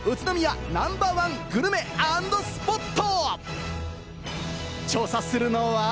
まだまだある、宇都宮ナンバーワングルメ＆スポット。